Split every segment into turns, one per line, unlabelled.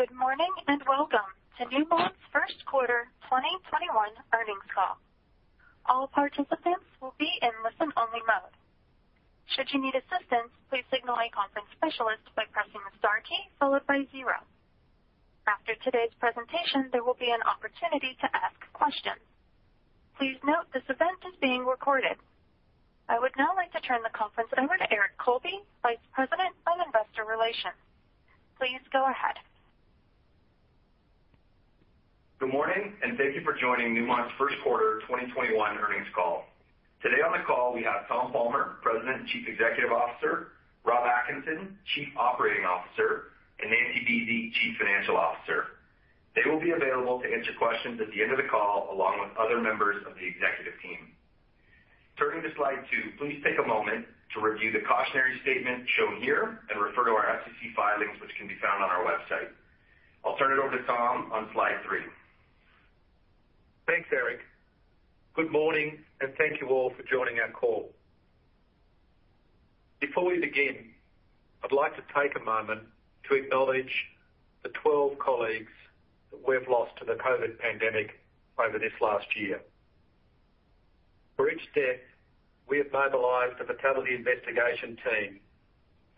Good morning, and welcome to Newmont's first quarter 2021 earnings call. All participant will be in listen-only mode. Should you need assistance please signal a conference specialist by pressing the star key followed by zero. After today's preesentation there will be an opportunity to ask a question. I would now like to turn the conference over to Eric Colby, Vice President of Investor Relations. Please go ahead.
Good morning, and thank you for joining Newmont's first quarter 2021 earnings call. Today on the call, we have Tom Palmer, President and Chief Executive Officer, Rob Atkinson, Chief Operating Officer, and Nancy Buese, Chief Financial Officer. They will be available to answer questions at the end of the call, along with other members of the executive team. Turning to slide two, please take a moment to review the cautionary statement shown here and refer to our SEC filings, which can be found on our website. I'll turn it over to Tom on slide three.
Thanks, Eric. Good morning, and thank you all for joining our call. Before we begin, I'd like to take a moment to acknowledge the 12 colleagues that we've lost to the COVID pandemic over this last year. For each death, we have mobilized a fatality investigation team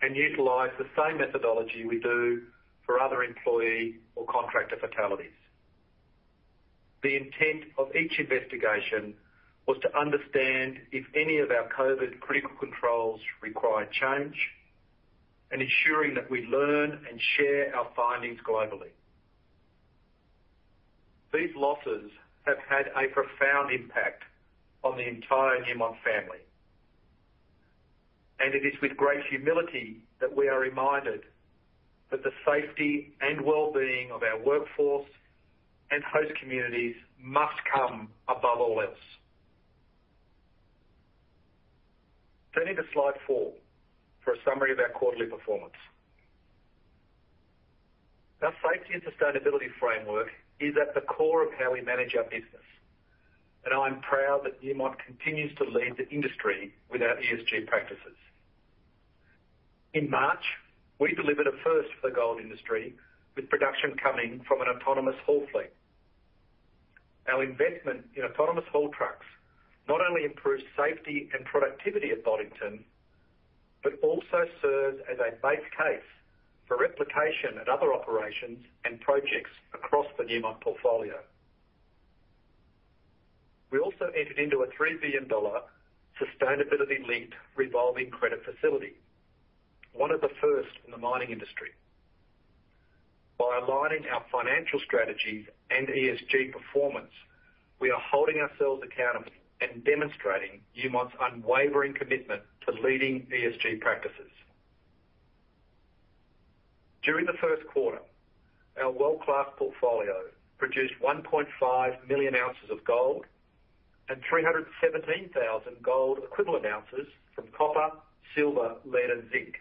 and utilized the same methodology we do for other employee or contractor fatalities. The intent of each investigation was to understand if any of our COVID critical controls required change and ensuring that we learn and share our findings globally. These losses have had a profound impact on the entire Newmont family. It is with great humility that we are reminded that the safety and well-being of our workforce and host communities must come above all else. Turning to slide four for a summary of our quarterly performance. Our safety and sustainability framework is at the core of how we manage our business, and I'm proud that Newmont continues to lead the industry with our ESG practices. In March, we delivered a first for the gold industry with production coming from an autonomous haul fleet. Our investment in autonomous haul trucks not only improved safety and productivity at Boddington, but also serves as a base case for replication at other operations and projects across the Newmont portfolio. We also entered into a $3 billion sustainability-linked revolving credit facility, one of the first in the mining industry. By aligning our financial strategies and ESG performance, we are holding ourselves accountable and demonstrating Newmont's unwavering commitment to leading ESG practices. During the first quarter, our world-class portfolio produced 1.5 million ounces of gold and 317,000 gold equivalent ounces from copper, silver, lead, and zinc.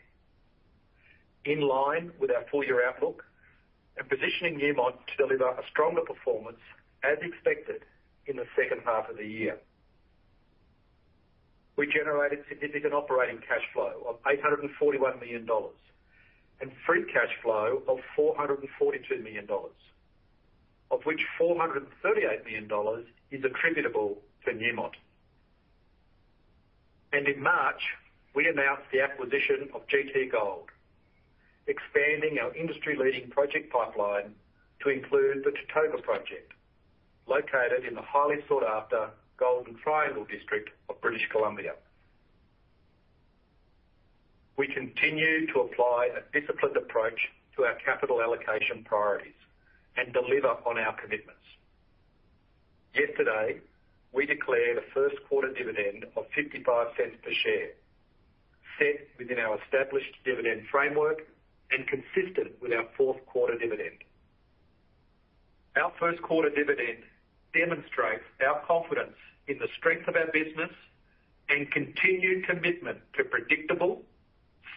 In line with our full-year outlook and positioning Newmont to deliver a stronger performance as expected in the second half of the year. We generated significant operating cash flow of $841 million and free cash flow of $442 million, of which $438 million is attributable to Newmont. In March, we announced the acquisition of GT Gold, expanding our industry-leading project pipeline to include the Tatogga project located in the highly sought-after Golden Triangle district of British Columbia. We continue to apply a disciplined approach to our capital allocation priorities and deliver on our commitments. Yesterday, we declared a first quarter dividend of $0.55 per share, set within our established dividend framework and consistent with our fourth quarter dividend. Our first quarter dividend demonstrates our confidence in the strength of our business and continued commitment to predictable,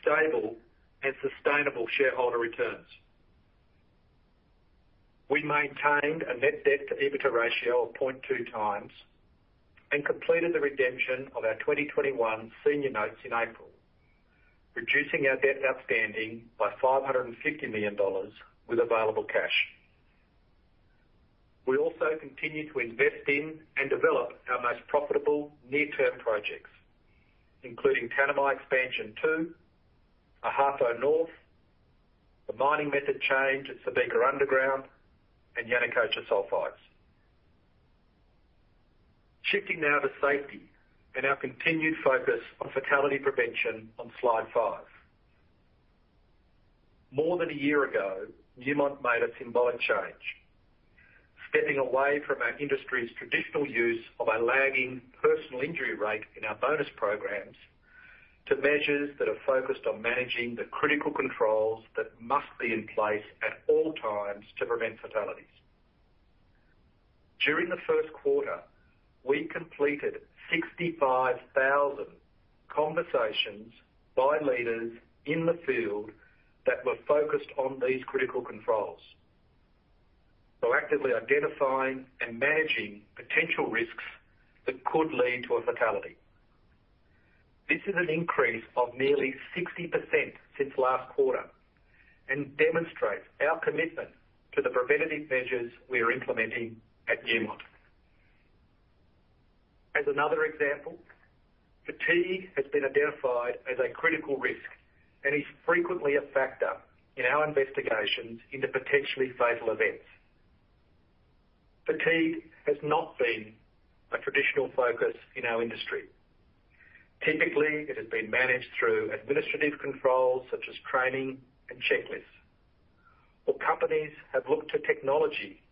stable, and sustainable shareholder returns. We maintained a net debt to EBITDA ratio of 0.2x and completed the redemption of our 2021 senior notes in April, reducing our debt outstanding by $550 million with available cash. We also continue to invest in and develop our most profitable near-term projects, including Tanami Expansion 2, Ahafo North, the mining method change at Subika underground, and Yanacocha Sulfides. Shifting now to safety and our continued focus on fatality prevention on slide five. More than a year ago, Newmont made a symbolic change, stepping away from our industry's traditional use of a lagging personal injury rate in our bonus programs to measures that are focused on managing the critical controls that must be in place at all times to prevent fatalities. During the first quarter, we completed 65,000 conversations by leaders in the field that were focused on these critical controls. Actively identifying and managing potential risks that could lead to a fatality. This is an increase of nearly 60% since last quarter and demonstrates our commitment to the preventative measures we are implementing at Newmont. As another example, fatigue has been identified as a critical risk and is frequently a factor in our investigations into potentially fatal events. Fatigue has not been a traditional focus in our industry. Typically, it has been managed through administrative controls such as training and checklists, or companies have looked to technology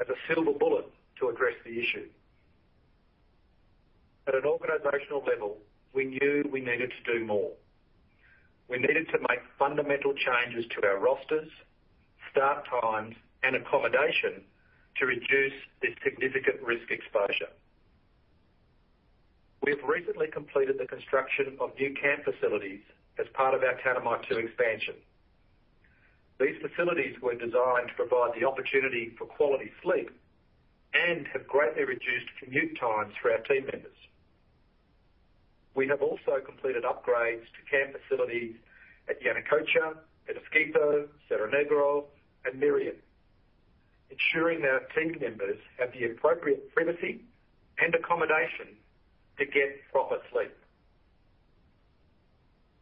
as a silver bullet to address the issue. At an organizational level, we knew we needed to do more. We needed to make fundamental changes to our rosters, start times, and accommodation to reduce this significant risk exposure. We have recently completed the construction of new camp facilities as part of our Tanami Expansion 2. These facilities were designed to provide the opportunity for quality sleep and have greatly reduced commute times for our team members. We have also completed upgrades to camp facilities at Yanacocha, Peñasquito, Cerro Negro, and Merian, ensuring our team members have the appropriate privacy and accommodation to get proper sleep.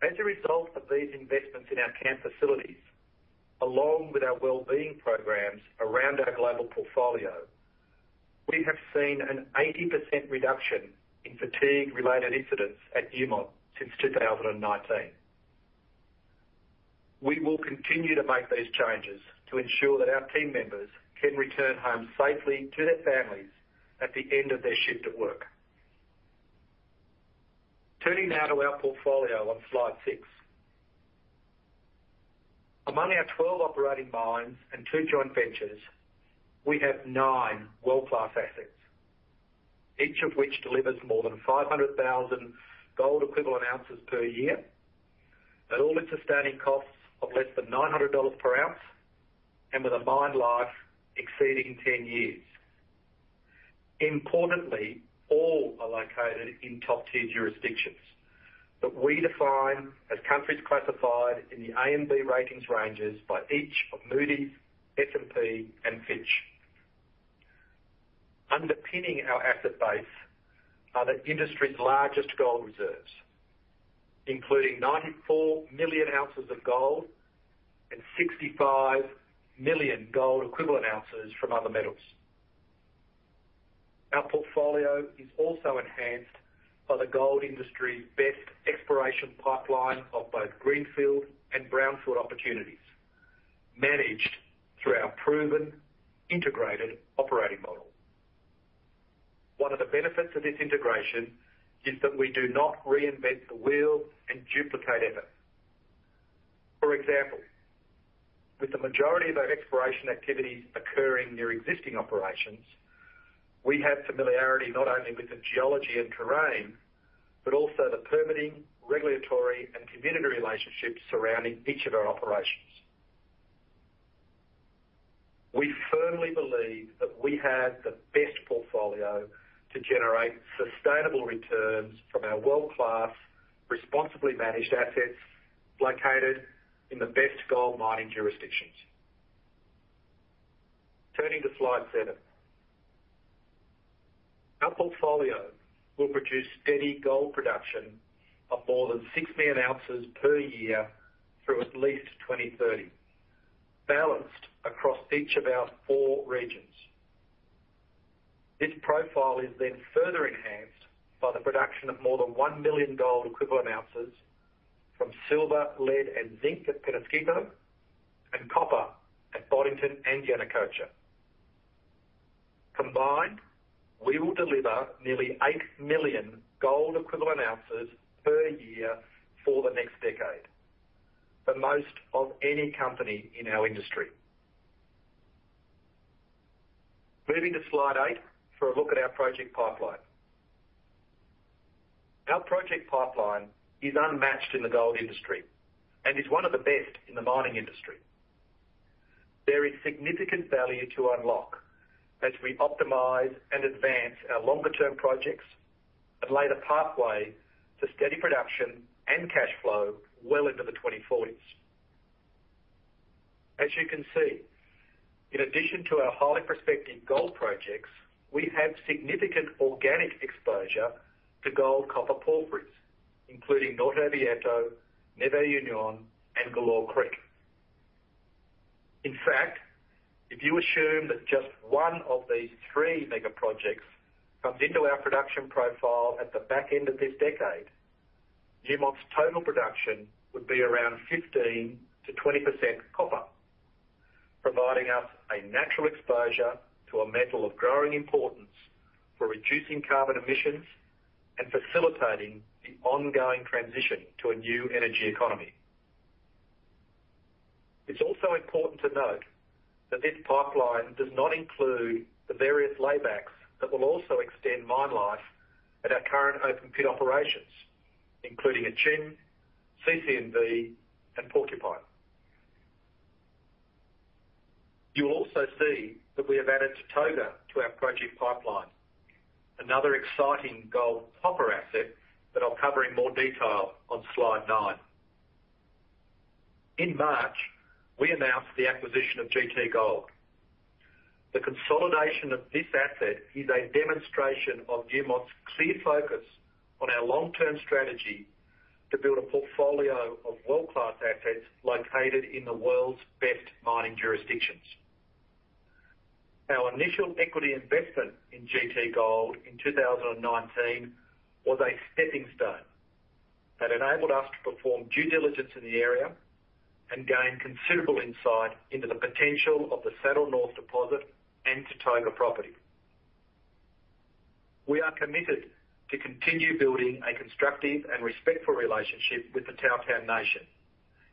As a result of these investments in our camp facilities, along with our well-being programs around our global portfolio, we have seen an 80% reduction in fatigue-related incidents at Newmont since 2019. We will continue to make these changes to ensure that our team members can return home safely to their families at the end of their shift at work. Turning now to our portfolio on slide six. Among our 12 operating mines and two joint ventures, we have nine world-class assets, each of which delivers more than 500,000 gold equivalent ounces per year at all-in sustaining costs of less than $900 per ounce and with a mine life exceeding 10 years. Importantly, all are located in top-tier jurisdictions that we define as countries classified in the A and B ratings ranges by each of Moody's, S&P, and Fitch. Underpinning our asset base are the industry's largest gold reserves, including 94 million ounces of gold and 65 million gold equivalent ounces from other metals. Our portfolio is also enhanced by the gold industry's best exploration pipeline of both greenfield and brownfield opportunities, managed through our proven integrated operating model. One of the benefits of this integration is that we do not reinvent the wheel and duplicate efforts. For example, with the majority of our exploration activities occurring near existing operations, we have familiarity not only with the geology and terrain, but also the permitting, regulatory, and community relationships surrounding each of our operations. We firmly believe that we have the best portfolio to generate sustainable returns from our world-class, responsibly managed assets located in the best gold mining jurisdictions. Turning to slide seven. Our portfolio will produce steady gold production of more than six million ounces per year through at least 2030, balanced across each of our four regions. This profile is then further enhanced by the production of more than one million gold equivalent ounces from silver, lead, and zinc at Peñasquito, and copper at Boddington and Yanacocha. Combined, we will deliver nearly eight million gold equivalent ounces per year for the next decade, the most of any company in our industry. Moving to slide eight for a look at our project pipeline. Our project pipeline is unmatched in the gold industry and is one of the best in the mining industry. There is significant value to unlock as we optimize and advance our longer-term projects and lay the pathway to steady production and cash flow well into the 2040s. As you can see, in addition to our highly prospective gold projects, we have significant organic exposure to gold-copper porphyries, including Norte Abierto, Nueva Unión, and Galore Creek. In fact, if you assume that just one of these three mega projects comes into our production profile at the back end of this decade, Newmont's total production would be around 15%-20% copper, providing us a natural exposure to a metal of growing importance for reducing carbon emissions and facilitating the ongoing transition to a new energy economy. It's also important to note that this pipeline does not include With laybacks that will also extend mine life at our current open pit operations, including Akyem, CC&V, and Porcupine. You will also see that we have added Tatogga to our project pipeline, another exciting gold copper asset that I'll cover in more detail on slide nine. In March, we announced the acquisition of GT Gold. The consolidation of this asset is a demonstration of Newmont's clear focus on our long-term strategy to build a portfolio of world-class assets located in the world's best mining jurisdictions. Our initial equity investment in GT Gold in 2019 was a stepping stone that enabled us to perform due diligence in the area and gain considerable insight into the potential of the Saddle North deposit and Tatogga property. We are committed to continue building a constructive and respectful relationship with the Tahltan Nation,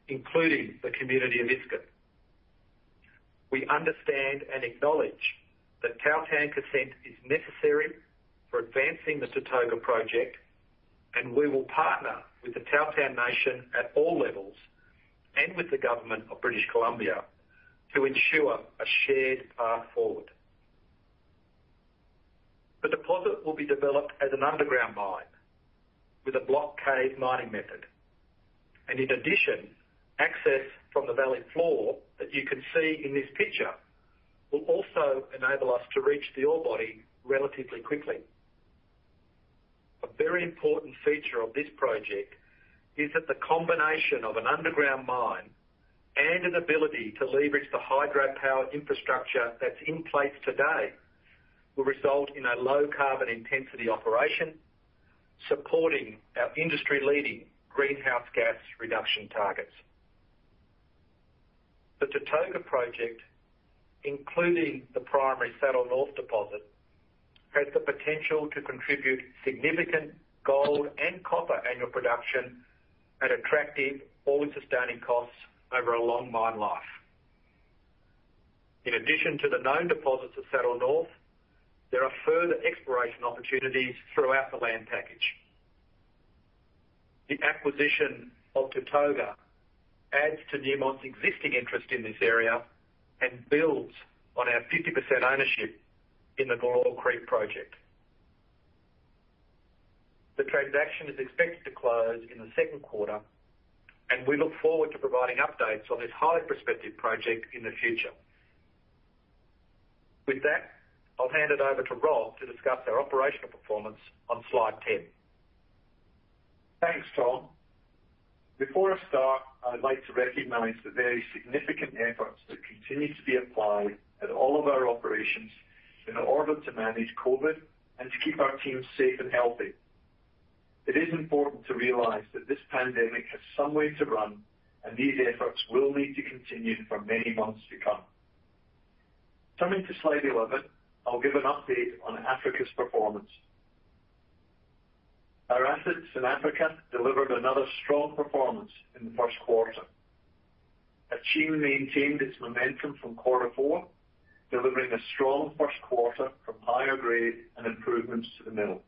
including the community of Iskut. We understand and acknowledge that Tahltan consent is necessary for advancing the Tatogga project, and we will partner with the Tahltan Nation at all levels and with the government of British Columbia to ensure a shared path forward. The deposit will be developed as an underground mine with a block caving mining method, and in addition, access from the valley floor that you can see in this picture will also enable us to reach the ore body relatively quickly. A very important feature of this project is that the combination of an underground mine and an ability to leverage the hydropower infrastructure that's in place today will result in a low carbon intensity operation, supporting our industry-leading greenhouse gas reduction targets. The Tatogga project, including the primary Saddle North deposit, has the potential to contribute significant gold and copper annual production at attractive all-in sustaining costs over a long mine life. In addition to the known deposits of Saddle North, there are further exploration opportunities throughout the land package. The acquisition of Tatogga adds to Newmont's existing interest in this area and builds on our 50% ownership in the Galore Creek project. The transaction is expected to close in the second quarter, and we look forward to providing updates on this high prospective project in the future. With that, I'll hand it over to Rob to discuss our operational performance on slide 10.
Thanks, Tom. Before I start, I'd like to recognize the very significant efforts that continue to be applied at all of our operations in order to manage COVID and to keep our team safe and healthy. It is important to realize that this pandemic has some way to run, and these efforts will need to continue for many months to come. Turning to slide 11, I'll give an update on Africa's performance. Our assets in Africa delivered another strong performance in the first quarter. Akyem maintained its momentum from quarter four, delivering a strong first quarter from higher grade and improvements to the mill.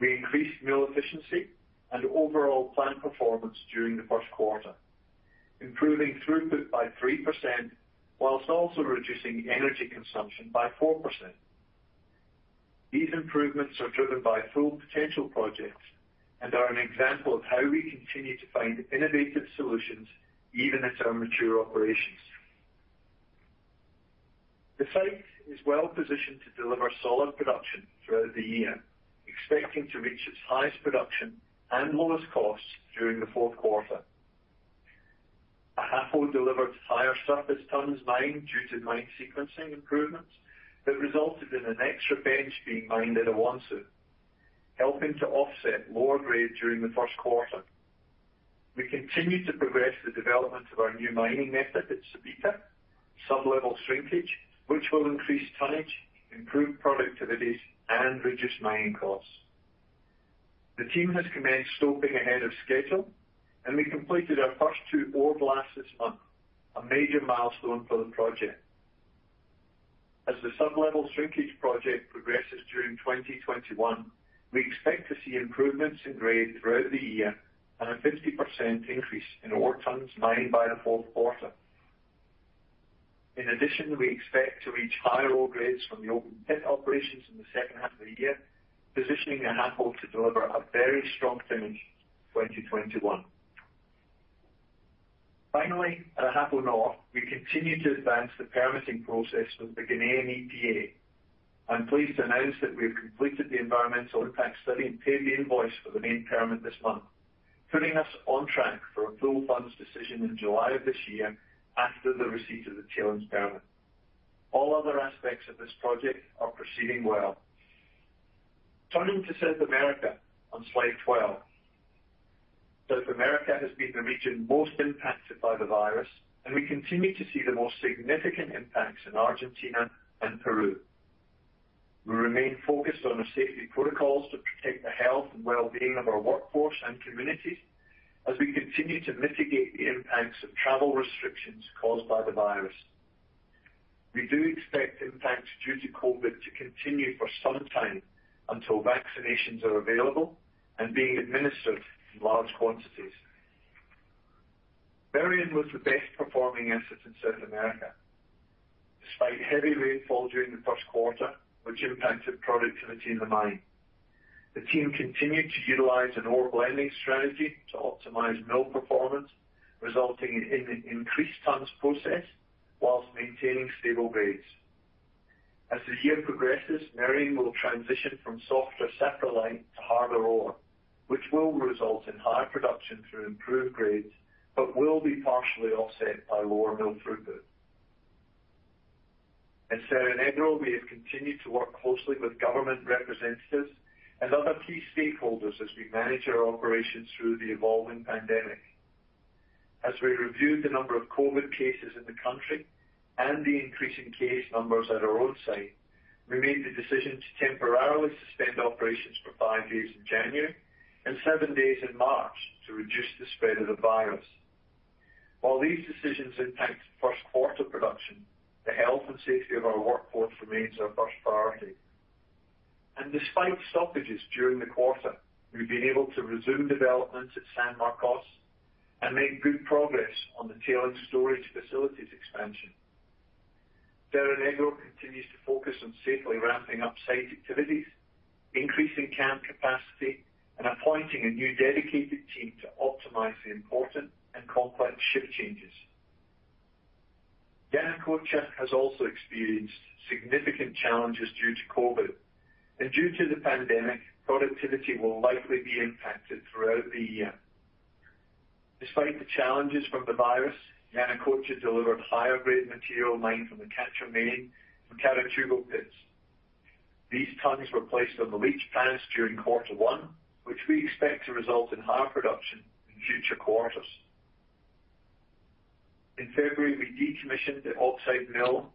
We increased mill efficiency and overall plant performance during the first quarter, improving throughput by 3% whilst also reducing energy consumption by 4%. These improvements are driven by Full Potential projects and are an example of how we continue to find innovative solutions, even at our mature operations. The site is well positioned to deliver solid production throughout the year, expecting to reach its highest production and lowest costs during the fourth quarter. Ahafo delivered higher surface tonnes mined due to mine sequencing improvements that resulted in an extra bench being mined at Awonsu, helping to offset lower grade during the first quarter. We continue to progress the development of our new mining method at Subika, sublevel shrinkage, which will increase tonnage, improve productivities, and reduce mining costs. The team has commenced stoping ahead of schedule, and we completed our first two ore blasts this month, a major milestone for the project. As the sublevel shrinkage project progresses during 2021, we expect to see improvements in grade throughout the year and a 50% increase in ore tonnes mined by the fourth quarter. In addition, we expect to reach higher ore grades from the open pit operations in the second half of the year, positioning Ahafo to deliver a very strong tonnage in 2021. Finally, at Ahafo North, we continue to advance the permitting process with the Ghanaian EPA. I'm pleased to announce that we've completed the environmental impact study and paid the invoice for the main permit this month, putting us on track for a full funds decision in July of this year after the receipt of the tailings permit. All other aspects of this project are proceeding well. Turning to South America on slide 12. South America has been the region most impacted by the virus, and we continue to see the most significant impacts in Argentina and Peru. We remain focused on our safety protocols to protect the health and wellbeing of our workforce and communities, as we continue to mitigate the impacts of travel restrictions caused by the virus. We do expect impacts due to COVID to continue for some time until vaccinations are available and being administered in large quantities. Merian was the best performing asset in South America. Despite heavy rainfall during the first quarter, which impacted productivity in the mine, the team continued to utilize an ore blending strategy to optimize mill performance, resulting in increased tonnes processed whilst maintaining stable grades. As the year progresses, Merian will transition from softer saprolite to harder ore, which will result in higher production through improved grades, will be partially offset by lower mill throughput. At Cerro Negro, we have continued to work closely with government representatives and other key stakeholders as we manage our operations through the evolving pandemic. As we reviewed the number of COVID cases in the country and the increase in case numbers at our own site, we made the decision to temporarily suspend operations for five days in January and seven days in March to reduce the spread of the virus. While these decisions impacted first quarter production, the health and safety of our workforce remains our first priority. Despite stoppages during the quarter, we've been able to resume developments at San Marcos and make good progress on the tailings storage facilities expansion. Cerro Negro continues to focus on safely ramping up site activities, increasing camp capacity, and appointing a new dedicated team to optimize the important and complex shift changes. Yanacocha has also experienced significant challenges due to COVID, and due to the pandemic, productivity will likely be impacted throughout the year. Despite the challenges from the virus, Yanacocha delivered higher-grade material mined from the Quecher Main and Carachugo pits. These tons were placed on the leach pads during quarter one, which we expect to result in higher production in future quarters. In February, we decommissioned the offsite mill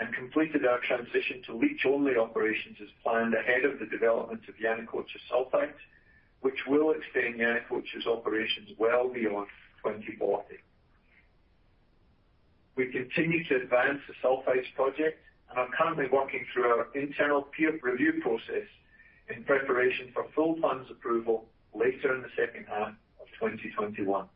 and completed our transition to leach-only operations as planned ahead of the development of Yanacocha Sulfides, which will extend Yanacocha's operations well beyond 2040. We continue to advance the sulfides project and are currently working through our internal peer review process in preparation for full funds approval later in the second half of 2021.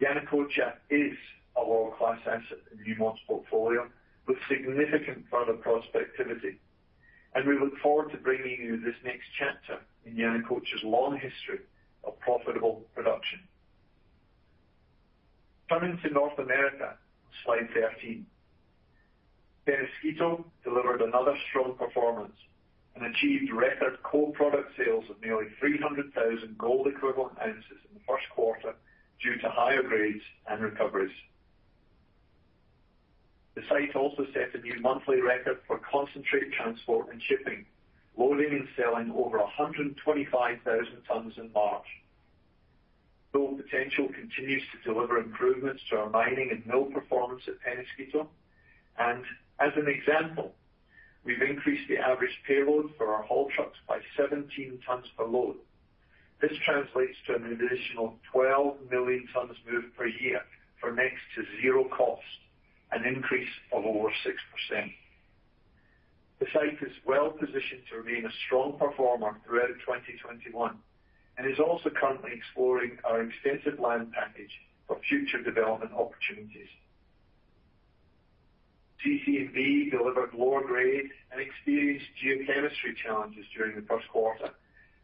Yanacocha is a world-class asset in Newmont's portfolio with significant further prospectivity, and we look forward to bringing you this next chapter in Yanacocha's long history of profitable production. Turning to North America, slide 13. Peñasquito delivered another strong performance and achieved record co-product sales of nearly 300,000 gold equivalent ounces in the first quarter due to higher grades and recoveries. The site also set a new monthly record for concentrate transport and shipping, loading and selling over 125,000 tonnes in March. Full Potential continues to deliver improvements to our mining and mill performance at Peñasquito. As an example, we've increased the average payload for our haul trucks by 17 tonnes per load. This translates to an additional 12 million tonnes moved per year for next to zero cost, an increase of over 6%. The site is well-positioned to remain a strong performer throughout 2021 and is also currently exploring our extensive land package for future development opportunities. CC&V delivered lower grade and experienced geochemistry challenges during the first quarter,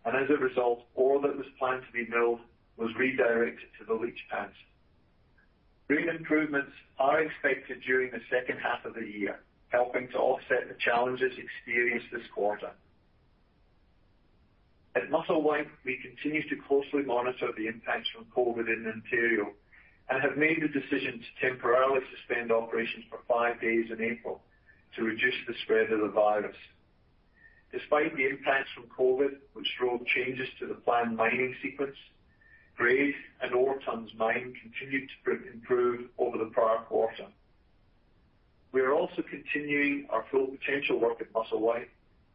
and as a result, ore that was planned to be milled was redirected to the leach pads. Grade improvements are expected during the second half of the year, helping to offset the challenges experienced this quarter. At Musselwhite, we continue to closely monitor the impacts from COVID in Ontario and have made the decision to temporarily suspend operations for five days in April to reduce the spread of the virus. Despite the impacts from COVID, which drove changes to the planned mining sequence, grade and ore tonnes mined continued to improve over the prior quarter. We are also continuing our Full Potential work at Musselwhite,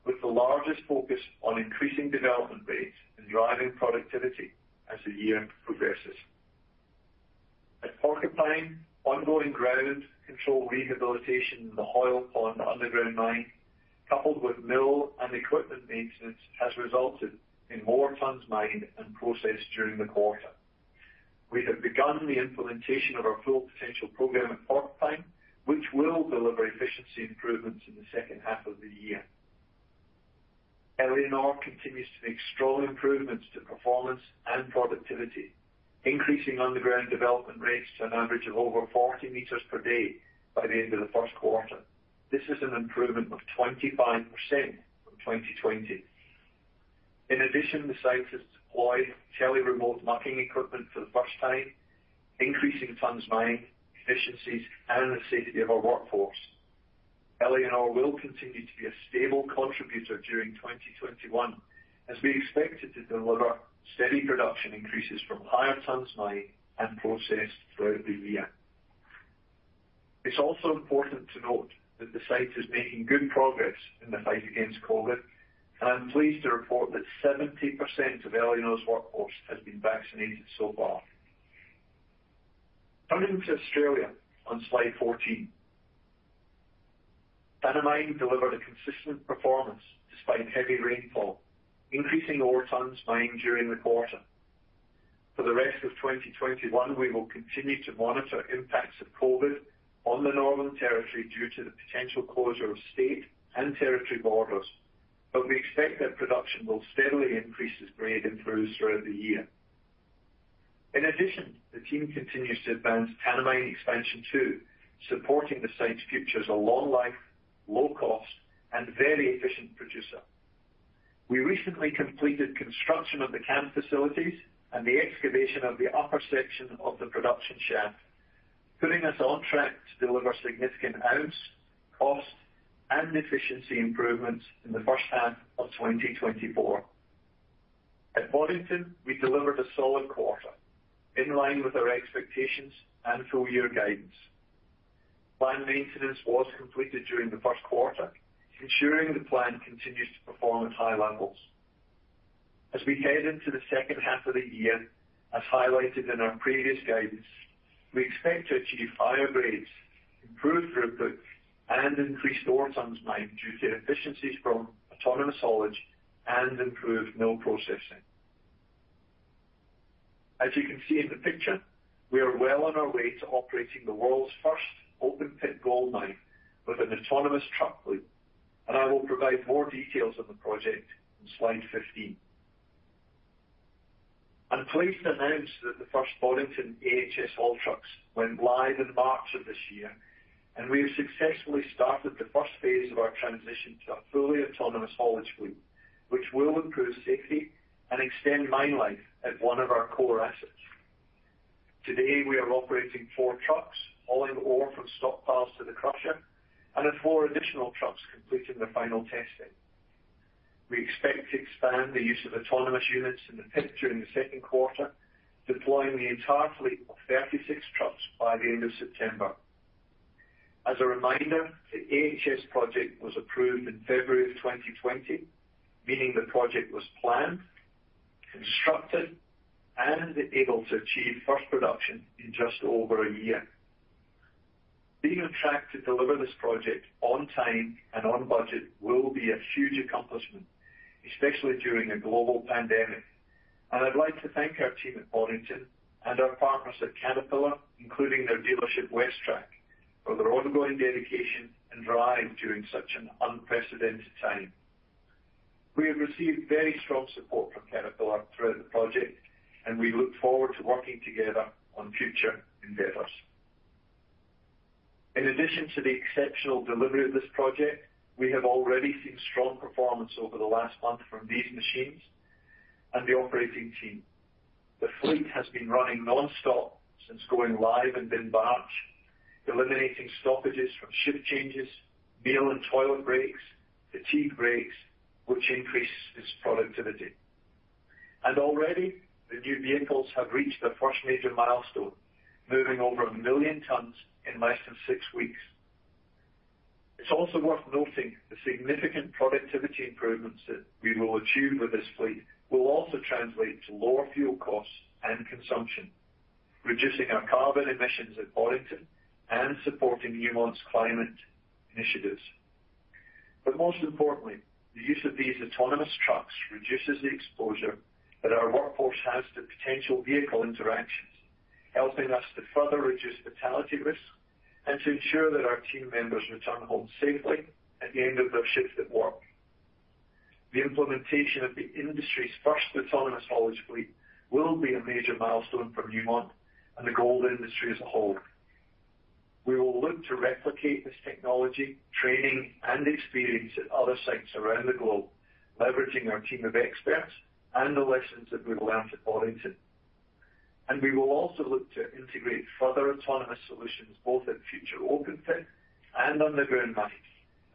with the largest focus on increasing development rates and driving productivity as the year progresses. At Porcupine, ongoing ground control rehabilitation in the Hoyle Pond underground mine, coupled with mill and equipment maintenance, has resulted in more tonnes mined and processed during the quarter. We have begun the implementation of our Full Potential program at Porcupine, which will deliver efficiency improvements in the second half of the year. Éléonore continues to make strong improvements to performance and productivity, increasing underground development rates to an average of over 40 meters per day by the end of the first quarter. This is an improvement of 25% from 2020. In addition, the site has deployed tele-remote mucking equipment for the first time, increasing tonnes mined, efficiencies, and the safety of our workforce. Éléonore will continue to be a stable contributor during 2021, as we expect it to deliver steady production increases from higher tonnes mined and processed throughout the year. It's also important to note that the site is making good progress in the fight against COVID, and I'm pleased to report that 70% of Éléonore's workforce has been vaccinated so far. Coming to Australia on slide 14. Tanami delivered a consistent performance despite heavy rainfall, increasing ore tons mined during the quarter. For the rest of 2021, we will continue to monitor impacts of COVID on the Northern Territory due to the potential closure of state and territory borders, but we expect that production will steadily increase as grade improves throughout the year. In addition, the team continues to advance Tanami Expansion 2, supporting the site's future as a long-life, low-cost, and very efficient producer. We recently completed construction of the camp facilities and the excavation of the upper section of the production shaft, putting us on track to deliver significant ounce, cost, and efficiency improvements in the first half of 2024. At Boddington, we delivered a solid quarter in line with our expectations and full-year guidance. Plant maintenance was completed during the first quarter, ensuring the plant continues to perform at high levels. As we head into the second half of the year, as highlighted in our previous guidance, we expect to achieve higher grades, improved throughput, and increased ore tons mined due to efficiencies from autonomous haulage and improved mill processing. As you can see in the picture, we are well on our way to operating the world's first open pit goldmine with an autonomous truck fleet, and I will provide more details on the project on slide 15. I'm pleased to announce that the first Boddington AHS haul trucks went live in March of this year, and we have successfully started the first phase of our transition to a fully autonomous haulage fleet, which will improve safety and extend mine life at one of our core assets. Today, we are operating four trucks, hauling ore from stockpiles to the crusher, and have four additional trucks completing their final testing. We expect to expand the use of autonomous units in the pit during the second quarter, deploying the entire fleet of 36 trucks by the end of September. As a reminder, the AHS project was approved in February of 2020, meaning the project was planned, constructed, and able to achieve first production in just over a year. Being on track to deliver this project on time and on budget will be a huge accomplishment, especially during a global pandemic. I'd like to thank our team at Boddington and our partners at Caterpillar, including their dealership, WesTrac, for their ongoing dedication and drive during such an unprecedented time. We have received very strong support from Caterpillar throughout the project, and we look forward to working together on future endeavors. In addition to the exceptional delivery of this project, we have already seen strong performance over the last month from these machines and the operating team. The fleet has been running nonstop since going live in mid-March, eliminating stoppages from shift changes, meal and toilet breaks, fatigue breaks, which increases productivity. Already, the new vehicles have reached their first major milestone, moving over 1 million tons in less than six weeks. It's also worth noting the significant productivity improvements that we will achieve with this fleet will also translate to lower fuel costs and consumption, reducing our carbon emissions at Boddington and supporting Newmont's climate initiatives. Most importantly, the use of these autonomous trucks reduces the exposure that our workforce has to potential vehicle interactions, helping us to further reduce fatality risk and to ensure that our team members return home safely at the end of their shifts at work. The implementation of the industry's first autonomous haulage fleet will be a major milestone for Newmont and the gold industry as a whole. We will look to replicate this technology, training, and experience at other sites around the globe, leveraging our team of experts and the lessons that we've learned at Boddington. We will also look to integrate further autonomous solutions both at future open pit and underground mines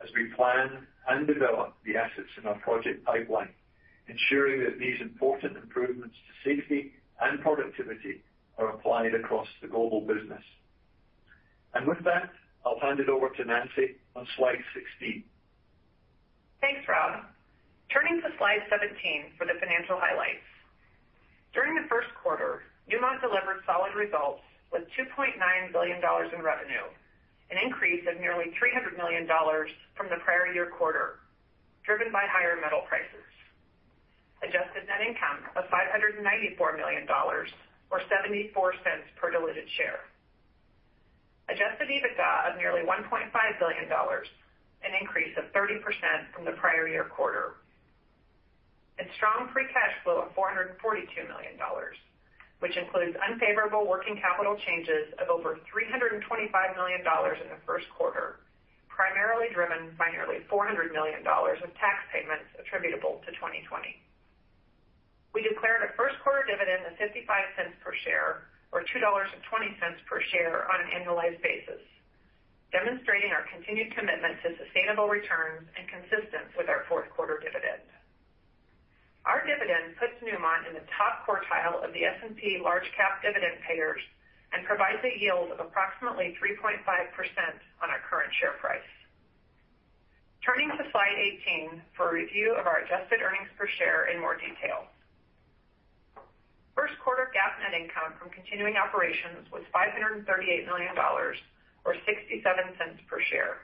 as we plan and develop the assets in our project pipeline, ensuring that these important improvements to safety and productivity are applied across the global business. With that, I'll hand it over to Nancy on slide 16.
Thanks, Rob. Turning to slide 17 for the financial highlights. During the first quarter, Newmont delivered solid results with $2.9 billion in revenue, an increase of nearly $300 million from the prior year quarter, driven by higher metal prices. Adjusted net income of $594 million or $0.74 per diluted share. Adjusted EBITDA of nearly $1.5 billion, an increase of 30% from the prior year quarter. Strong free cash flow of $442 million, which includes unfavorable working capital changes of over $325 million in the first quarter, primarily driven by nearly $400 million of tax payments attributable to 2020. We declared a first-quarter dividend of $0.55 per share or $2.20 per share on an annualized basis, demonstrating our continued commitment to sustainable returns and consistent with our fourth quarter dividend. Our dividend puts Newmont in the top quartile of the S&P large cap dividend payers and provides a yield of approximately 3.5% on our current share price. Turning to slide 18 for a review of our adjusted earnings per share in more detail. First quarter GAAP net income from continuing operations was $538 million, or $0.67 per share.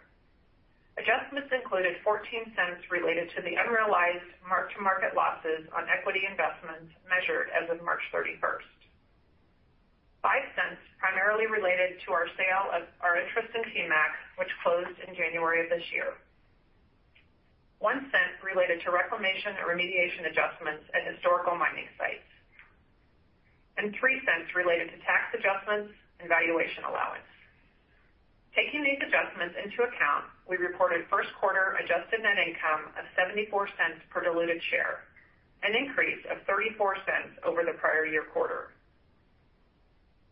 Adjustments included $0.14 related to the unrealized mark-to-market losses on equity investments measured as of March 31st. $0.05 primarily related to our sale of our interest in TMAC, which closed in January of this year. $0.01 related to reclamation and remediation adjustments at historical mining sites. $0.03 related to tax adjustments and valuation allowance. Taking these adjustments into account, we reported first quarter adjusted net income of $0.74 per diluted share, an increase of $0.34 over the prior-year-quarter.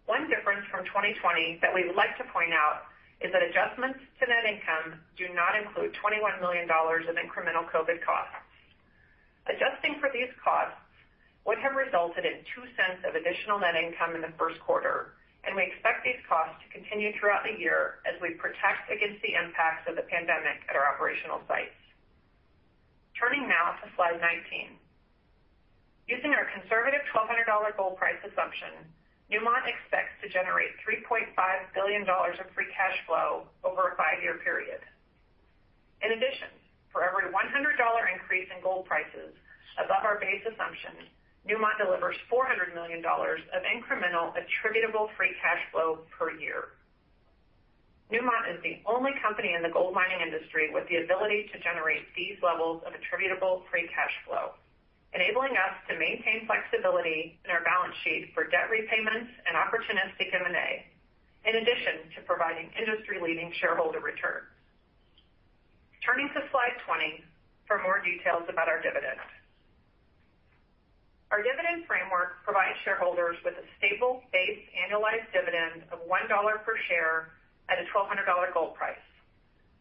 One difference from 2020 that we would like to point out is that adjustments to net income do not include $21 million in incremental COVID costs. Adjusting for these costs would have resulted in $0.02 of additional net income in the first quarter, and we expect these costs to continue throughout the year as we protect against the impacts of the pandemic at our operational sites. Turning now to slide 19. Using our conservative $1,200 gold price assumption, Newmont expects to generate $3.5 billion of free cash flow over a five-year period. In addition, for every $100 increase in gold prices above our base assumption, Newmont delivers $400 million of incremental attributable free cash flow per year. Newmont is the only company in the gold mining industry with the ability to generate these levels of attributable free cash flow, enabling us to maintain flexibility in our balance sheet for debt repayments and opportunistic M&A, in addition to providing industry-leading shareholder returns. Turning to slide 20 for more details about our dividend. Our dividend framework provides shareholders with a stable base annualized dividend of $1 per share at a $1,200 gold price,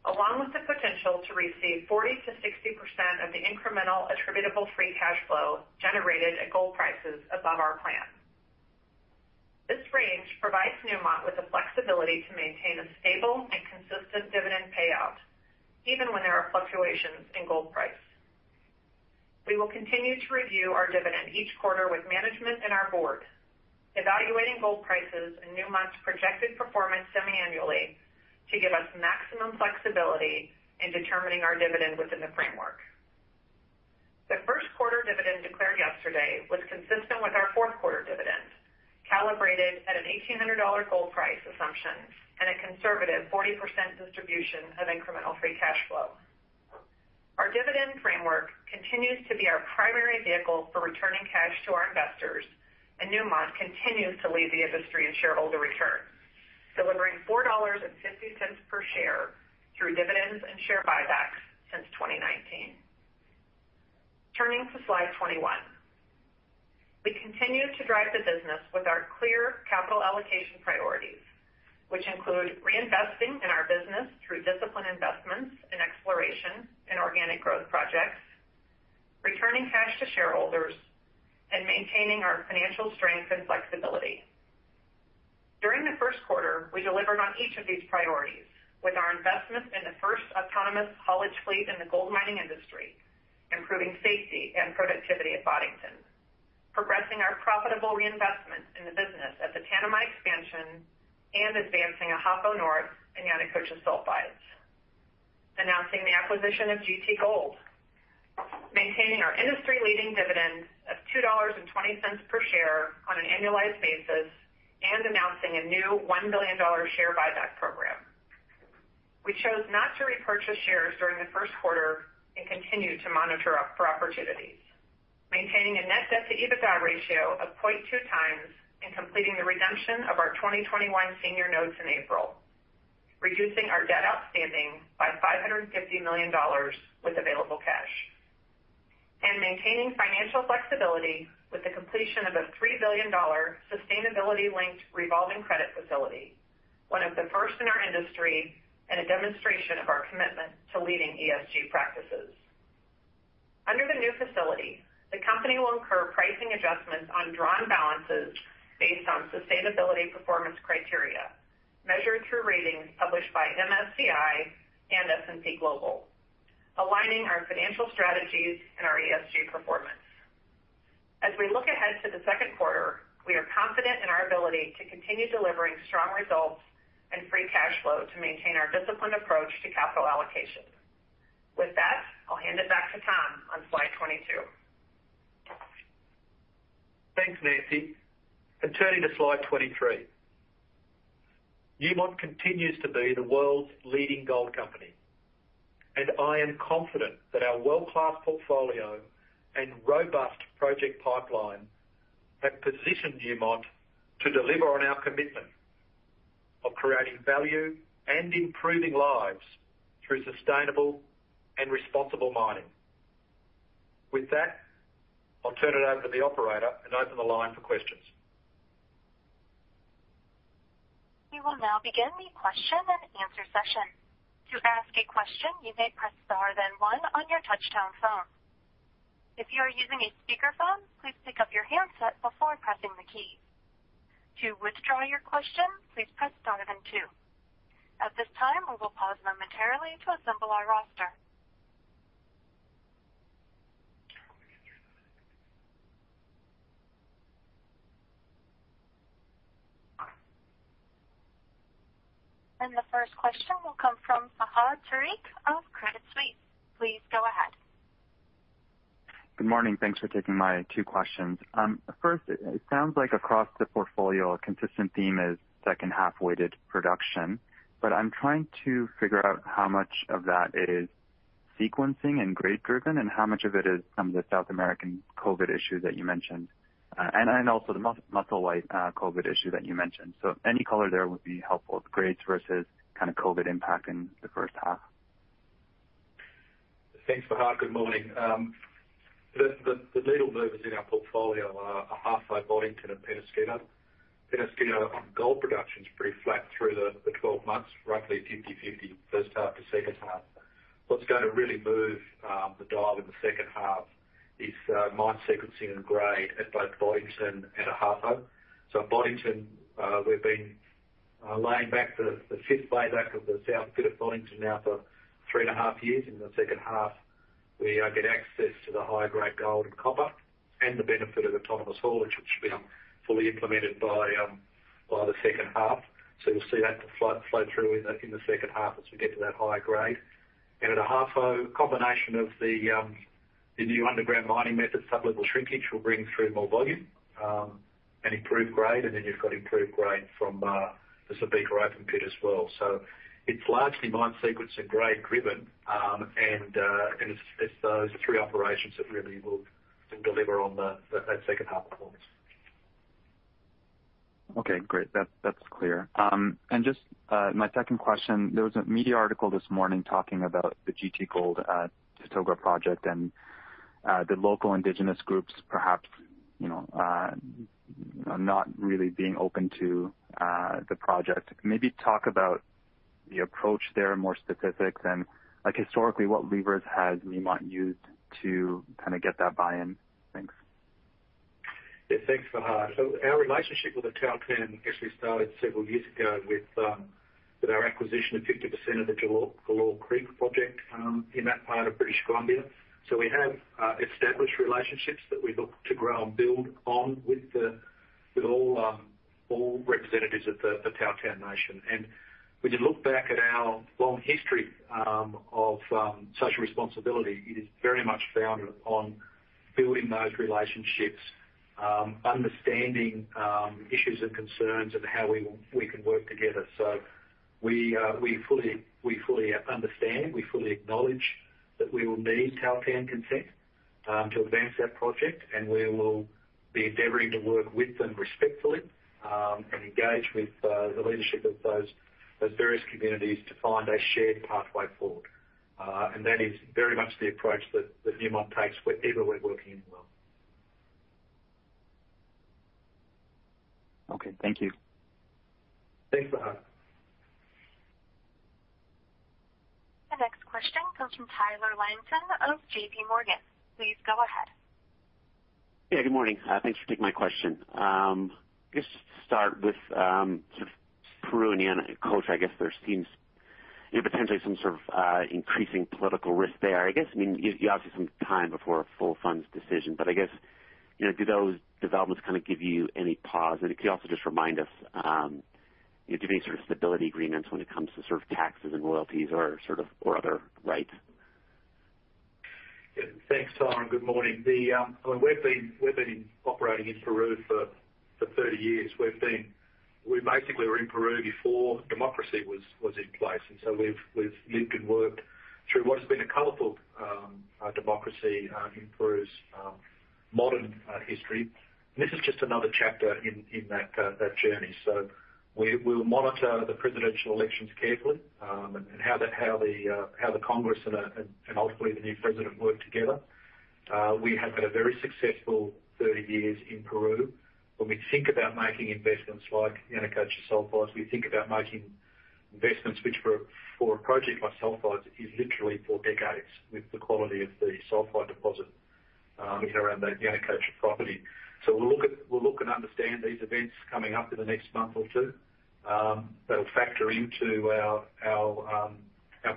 along with the potential to receive 40%-60% of the incremental attributable free cash flow generated at gold prices above our plan. This range provides Newmont with the flexibility to maintain a stable and consistent dividend payout, even when there are fluctuations in gold price. We will continue to review our dividend each quarter with management and our board, evaluating gold prices and Newmont's projected performance semi-annually to give us maximum flexibility in determining our dividend within the framework. The first quarter dividend declared yesterday was consistent with our fourth quarter dividend, calibrated at an $1,800 gold price assumption and a conservative 40% distribution of incremental free cash flow. Our dividend framework continues to be our primary vehicle for returning cash to our investors. Newmont continues to lead the industry in shareholder return, delivering $4.50 per share through dividends and share buybacks since 2019. Turning to slide 21. We continue to drive the business with our clear capital allocation priorities, which include reinvesting in our business through disciplined investments in exploration and organic growth projects, returning cash to shareholders, and maintaining our financial strength and flexibility. During the first quarter, we delivered on each of these priorities with our investment in the first autonomous haulage fleet in the gold mining industry, improving safety and productivity at Boddington, progressing our profitable reinvestment in the business at the Tanami expansion and advancing Ahafo North and Yanacocha Sulfides, announcing the acquisition of GT Gold, maintaining our industry-leading dividend of $2.20 per share on an annualized basis, and announcing a new $1 billion share buyback program. We chose not to repurchase shares during the first quarter and continue to monitor for opportunities, maintaining a net debt to EBITDA ratio of 0.2x And completing the redemption of our 2021 senior notes in April, reducing our debt outstanding by $550 million with available cash, and maintaining financial flexibility with the completion of a $3 billion sustainability-linked revolving credit facility, one of the first in our industry and a demonstration of our commitment to leading ESG practices. Under the new facility, the company will incur pricing adjustments on drawn balances based on sustainability performance criteria measured through ratings published by MSCI and S&P Global, aligning our financial strategies and our ESG performance. As we look ahead to the second quarter, we are confident in our ability to continue delivering strong results and free cash flow to maintain our disciplined approach to capital allocation. With that, I'll hand it back to Tom on slide 22.
Thanks, Nancy. Turning to slide 23. Newmont continues to be the world's leading gold company, and I am confident that our world-class portfolio and robust project pipeline have positioned Newmont to deliver on our commitment of creating value and improving lives through sustainable and responsible mining. With that, I'll turn it over to the operator and open the line for questions.
We will now begin the question-and-answer session. To ask a question, you may press star then one on your touchtone phone. If you are using a speakerphone, please pick up your handset before pressing the key. To withdraw your question, please press star then two. At this time, we will pause momentarily to assemble our roster. The first question will come from Fahad Tariq of Credit Suisse. Please go ahead.
Good morning. Thanks for taking my two questions. First, it sounds like across the portfolio, a consistent theme is second half-weighted production, but I'm trying to figure out how much of that is sequencing and grade-driven, and how much of it is from the South American COVID issue that you mentioned, and also the Musselwhite COVID issue that you mentioned. Any color there would be helpful. Grades versus COVID impact in the first half.
Thanks, Fahad. Good morning. The needle movers in our portfolio are Ahafo, Boddington, and Peñasquito. Peñasquito on gold production's pretty flat through the 12 months, roughly 50/50 first half to second half. What's going to really move the dial in the second half is mine sequencing and grade at both Boddington and Ahafo. At Boddington, we've been laying back the fifth layback of the south pit of Boddington now for three and a half years. In the second half, we get access to the high-grade gold and copper and the benefit of autonomous haulage, which should be fully implemented by the second half. You'll see that flow through in the second half as we get to that higher grade. At Ahafo, a combination of the new underground mining methods, sublevel shrinkage will bring through more volume, and improved grade, and then you've got improved grade from the Subika open pit as well. It's largely mine sequence and grade-driven, and it's those three operations that really will deliver on that second half performance.
Okay, great. That's clear. Just my second question, there was a media article this morning talking about the GT Gold Tatogga project and the local indigenous groups perhaps not really being open to the project. Maybe talk about the approach there in more specifics and historically, what levers has Newmont used to get that buy-in? Thanks.
Yeah. Thanks, Fahad. Our relationship with the Tahltan Nation actually started several years ago with our acquisition of 50% of the Galore Creek project in that part of British Columbia. We have established relationships that we look to grow and build on with all representatives of the Tahltan Nation. When you look back at our long history of social responsibility, it is very much founded on building those relationships, understanding issues and concerns and how we can work together. We fully understand, we fully acknowledge that we will need Tahltan consent to advance that project, we will be endeavoring to work with them respectfully, engage with the leadership of those various communities to find a shared pathway forward. That is very much the approach that Newmont takes wherever we're working in the world.
Okay, thank you.
Thanks, Fahad.
The next question comes from Tyler Langton of JPMorgan. Please go ahead.
Yeah, good morning. Thanks for taking my question. Just to start with Peru and Yanacocha, I guess there seems potentially some sort of increasing political risk there. You obviously have some time before a full funds decision, but I guess, do those developments give you any pause? If you could also just remind us, do you have any sort of stability agreements when it comes to taxes and royalties or other rights?
Yeah. Thanks, Tyler, good morning. We've been operating in Peru for 30 years. We basically were in Peru before democracy was in place, and so we've lived and worked through what has been a colorful democracy in Peru's modern history. This is just another chapter in that journey. We'll monitor the presidential elections carefully, and how the Congress and ultimately the new president work together. We have had a very successful 30 years in Peru. When we think about making investments like Yanacocha Sulfides, we think about making investments which for a project like sulfides, is literally for decades with the quality of the sulfide deposit in around that Yanacocha. We'll look and understand these events coming up in the next month or two. That'll factor into our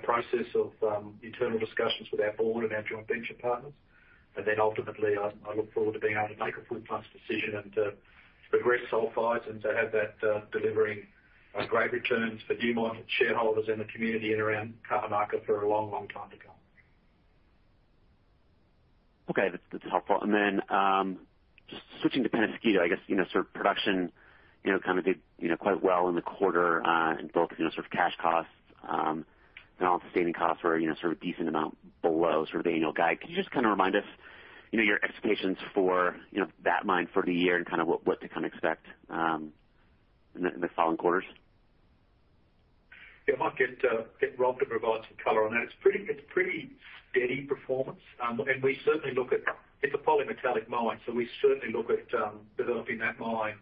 process of internal discussions with our board and our joint venture partners. Ultimately, I look forward to being able to make a full funds decision and to progress sulfides and to have that delivering great returns for Newmont and shareholders and the community in around Cajamarca for a long, long time to come.
Okay. That's helpful. Just switching to Peñasquito, I guess, production did quite well in the quarter, in both cash costs and all-in sustaining costs were a decent amount below the annual guide. Could you just remind us your expectations for that mine for the year and what to expect in the following quarters?
Yeah, I might get Rob to provide some color on that. It's pretty steady performance. We certainly look at, it's a polymetallic mine, so we certainly look at developing that mine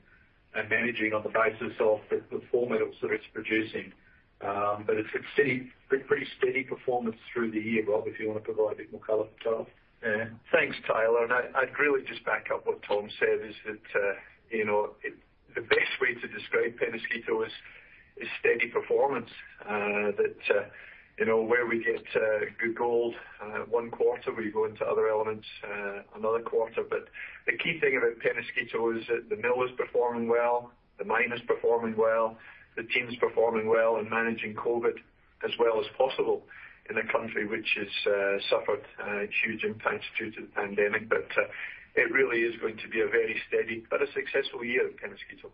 and managing on the basis of the four metals that it's producing. But it's pretty steady performance through the year. Rob, if you want to provide a bit more color for Tom?
Yeah. Thanks, Tyler, and I'd really just back up what Tom said, is that the best way to describe Peñasquito is steady performance. That where we get good gold one quarter, we go into other elements another quarter. The key thing about Peñasquito is that the mill is performing well, the mine is performing well, the team's performing well and managing COVID as well as possible in a country which has suffered huge impacts due to the pandemic. It really is going to be a very steady, but a successful year at Peñasquito.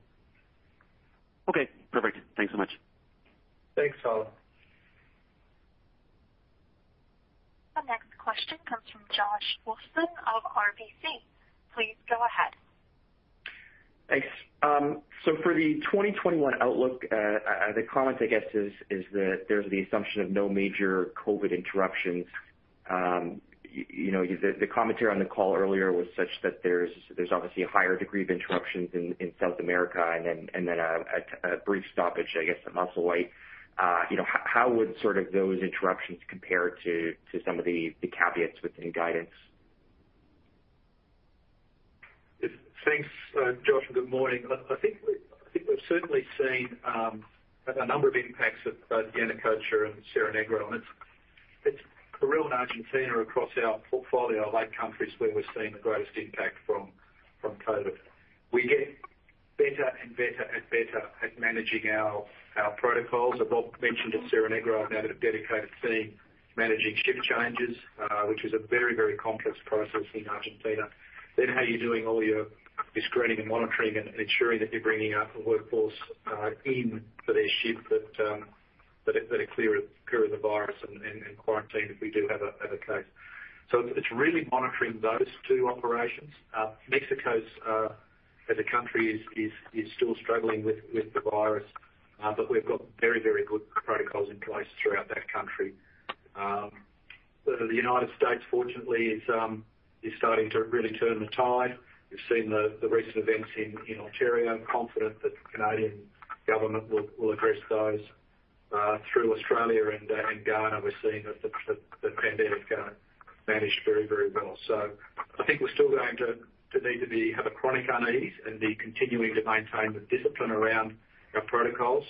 Okay, perfect. Thanks so much.
Thanks, Rob.
The next question comes from Josh Wolfson of RBC. Please go ahead.
Thanks. For the 2021 outlook, the comment, I guess, is that there's the assumption of no major COVID interruptions. The commentary on the call earlier was such that there's obviously a higher degree of interruptions in South America and then a brief stoppage, I guess, at Musselwhite. How would those interruptions compare to some of the caveats within guidance?
Thanks, Josh. Good morning. It's Peru and Argentina across our portfolio are like countries where we're seeing the greatest impact from COVID. We get better and better at managing our protocols. As Rob mentioned at Cerro Negro, they now have a dedicated team managing shift changes, which is a very complex process in Argentina. How you're doing all your screening and monitoring and ensuring that you're bringing up a workforce in for their shift that are clear of the virus and quarantine, if we do have a case. So it's really monitoring those two operations. Mexico as a country is still struggling with the virus. We've got very good protocols in place throughout that country. The United States, fortunately, is starting to really turn the tide. We've seen the recent events in Ontario. I'm confident that the Canadian government will address those. Through Australia and Ghana, we're seeing that the pandemic managed very well. I think we're still going to need to have a chronic unease and be continuing to maintain the discipline around our protocols.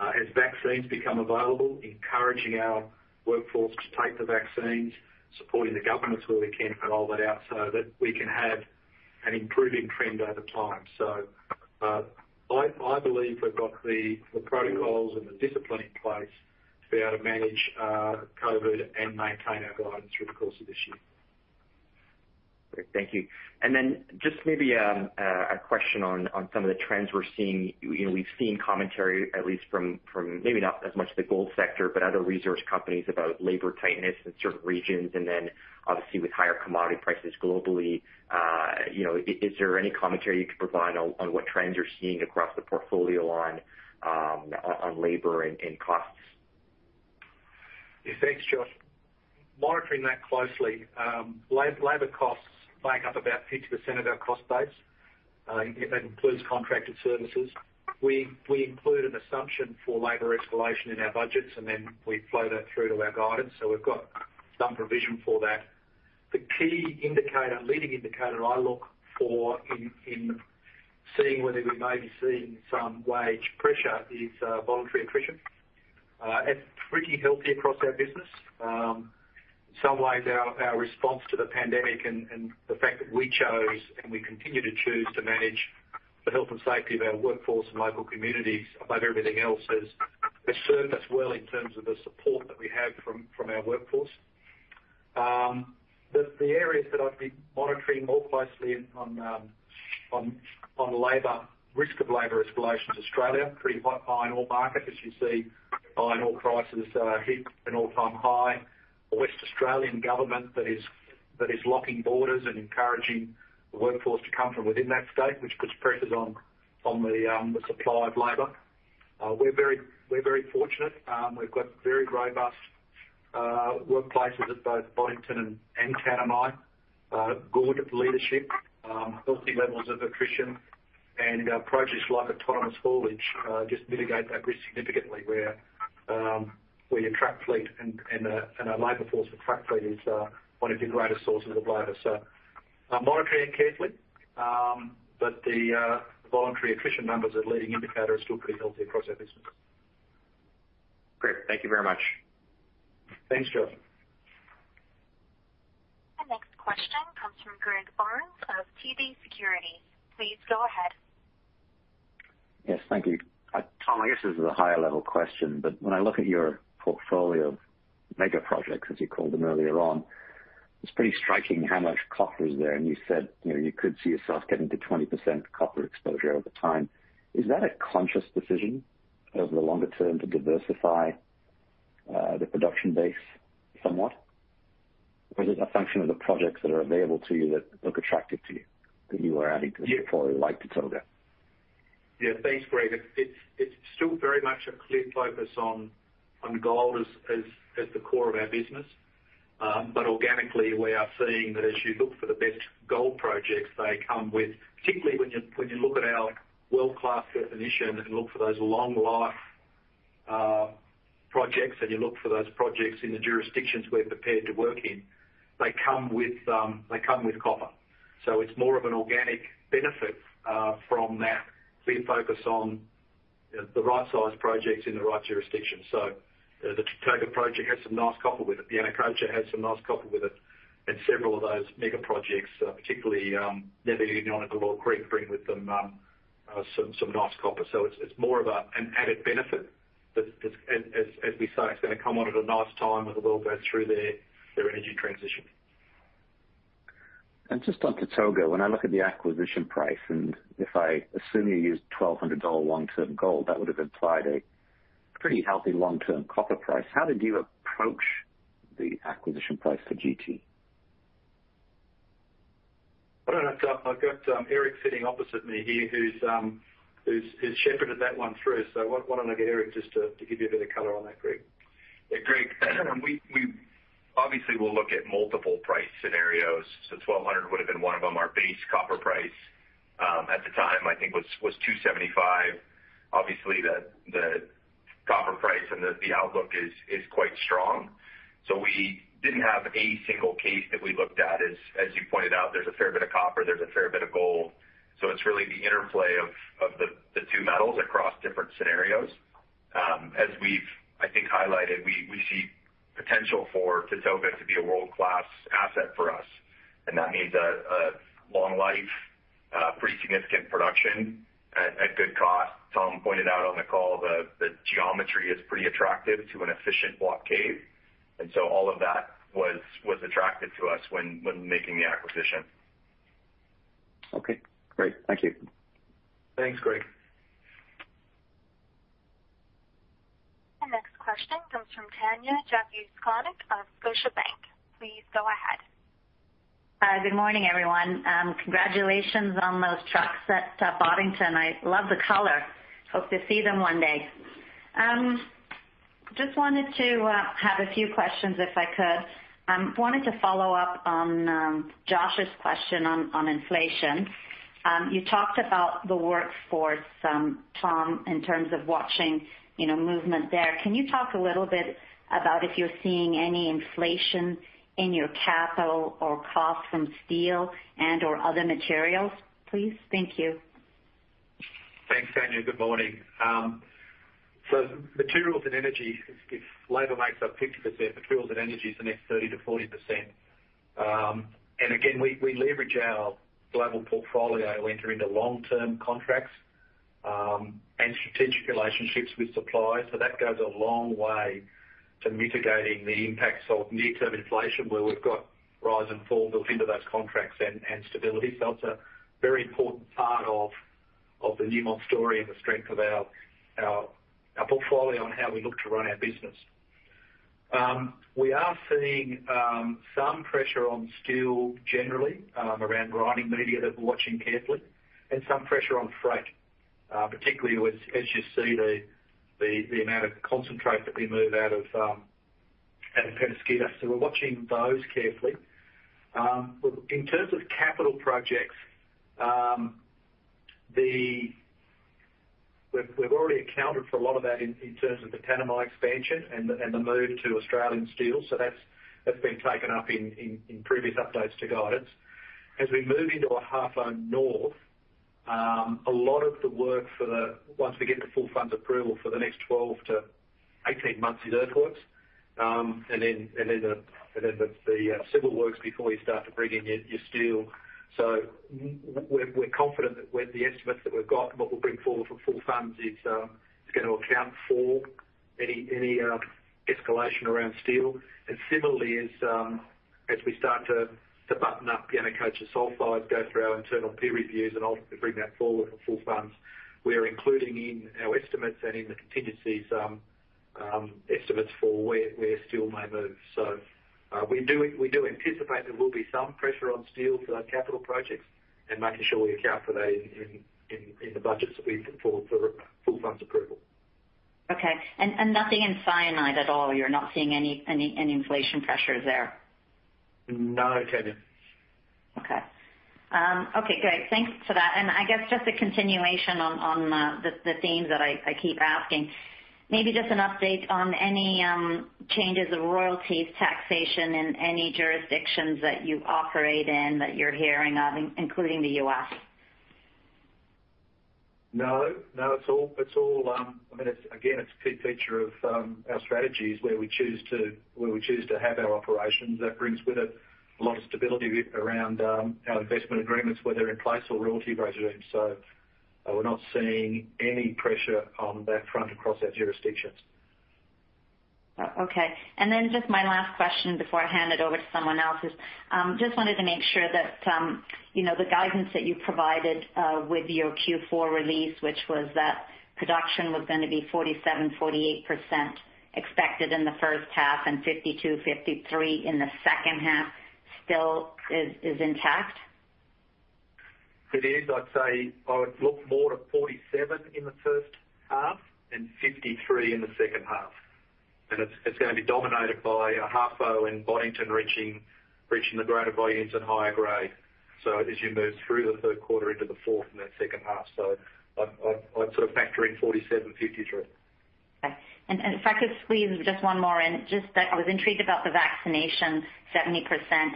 As vaccines become available, encouraging our workforce to take the vaccines, supporting the governments where we can roll that out so that we can have an improving trend over time. I believe we've got the protocols and the discipline in place to be able to manage COVID and maintain our guidance through the course of this year.
Great. Thank you. Then just maybe a question on some of the trends we're seeing. We've seen commentary, at least from maybe not as much the gold sector, but other resource companies about labor tightness in certain regions, and then obviously with higher commodity prices globally. Is there any commentary you could provide on what trends you're seeing across the portfolio on labor and costs?
Thanks, Josh. Monitoring that closely. Labor costs make up about 50% of our cost base. That includes contracted services. We include an assumption for labor escalation in our budgets, and then we flow that through to our guidance. We've got some provision for that. The key indicator, leading indicator I look for in seeing whether we may be seeing some wage pressure is voluntary attrition. It's pretty healthy across our business. In some ways, our response to the pandemic and the fact that we chose and we continue to choose to manage the health and safety of our workforce and local communities above everything else has served us well in terms of the support that we have from our workforce. The areas that I'd be monitoring more closely on risk of labor escalations, Australia, pretty hot iron ore market, as you see, iron ore prices hit an all-time high. A West Australian government that is locking borders and encouraging the workforce to come from within that state, which puts pressures on the supply of labor. We're very fortunate. We've got very robust workplaces at both Boddington and Tanami. Good leadership, healthy levels of attrition, and approaches like autonomous haulage just mitigate that risk significantly where your truck fleet and our labor force for truck fleet is one of your greatest sources of labor. I'm monitoring it carefully. The voluntary attrition numbers as a leading indicator are still pretty healthy across our business.
Great. Thank you very much.
Thanks, Josh.
The next question comes from Greg Barnes of TD Securities. Please go ahead.
Yes. Thank you. Tom, I guess this is a higher level question, but when I look at your portfolio of mega projects, as you called them earlier on, it's pretty striking how much copper is there, and you said you could see yourself getting to 20% copper exposure over time. Is that a conscious decision over the longer term to diversify the production base somewhat? Is it a function of the projects that are available to you that look attractive to you, that you are adding to the portfolio like the Tatogga?
Yeah, thanks, Greg. It's still very much a clear focus on gold as the core of our business. Organically, we are seeing that as you look for the best gold projects they come with, particularly when you look at our world-class definition and look for those long life projects, and you look for those projects in the jurisdictions we're prepared to work in, they come with copper. It's more of an organic benefit from that clear focus on the right size projects in the right jurisdiction. The Tatogga project has some nice copper with it. The Yanacocha has some nice copper with it, and several of those mega projects, particularly. The next question comes from Tanya Jakusconek of Scotiabank. Please go ahead.
Hi, good morning, everyone. Congratulations on those trucks at Boddington. I love the color. Hope to see them one day. I just wanted to have a few questions, if I could. I wanted to follow up on Josh's question on inflation. You talked about the workforce, Tom, in terms of watching movement there. Can you talk a little bit about if you're seeing any inflation in your capital or cost from steel and/or other materials, please? Thank you.
Thanks, Tanya. Good morning. Materials and energy, if labor makes up 50%, materials and energy is the next 30%-40%. Again, we leverage our global portfolio. We enter into long-term contracts, and strategic relationships with suppliers. That goes a long way to mitigating the impacts of near-term inflation, where we've got rise and fall built into those contracts and stability. That's a very important part of the Newmont story and the strength of our portfolio and how we look to run our business. We are seeing some pressure on steel generally, around grinding media that we're watching carefully, and some pressure on freight, particularly as you see the amount of concentrate that we move out of Peñasquito. We're watching those carefully. In terms of capital projects, we've already accounted for a lot of that in terms of the Tanami expansion and the move to Australian steel. That's been taken up in previous updates to guidance. As we move into Ahafo North, a lot of the work for the, once we get the full funds approval for the next 12 to 18 months is earthworks, and then the civil works before you start to bring in your steel. We're confident that with the estimates that we've got and what we'll bring forward for full funds, is going to account for any escalation around steel. Similarly, as we start to button up Yanacocha Sulfides, go through our internal peer reviews and ultimately bring that forward for full funds. We are including in our estimates and in the contingencies, estimates for where steel may move. We do anticipate there will be some pressure on steel for our capital projects and making sure we account for that in the budgets that we put forward for full funds approval.
Okay. Nothing in cyanide at all? You're not seeing any inflation pressures there?
No, Tanya.
Okay. Great. Thanks for that. I guess just a continuation on the themes that I keep asking, maybe just an update on any changes of royalties, taxation in any jurisdictions that you operate in, that you're hearing of, including the U.S.
No, it's all, again, it's a key feature of our strategies where we choose to have our operations. That brings with it a lot of stability around our investment agreements, whether in place or royalty regimes. We're not seeing any pressure on that front across our jurisdictions.
Okay. Just my last question before I hand it over to someone else. Just wanted to make sure that the guidance that you provided with your Q4 release, which was that production was going to be 47%, 48% expected in the first half, and 52%, 53% in the second half, still is intact?
It is. I'd say I would look more to 47% in the first half and 53% in the second half. It's going to be dominated by Ahafo and Boddington reaching the greater volumes and higher grade. As you move through the third quarter into the fourth and that second half, I'd sort of factor in 47%, 53%.
Okay. If I could squeeze just one more in, just that I was intrigued about the vaccination, 70%